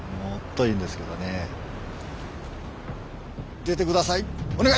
出てください！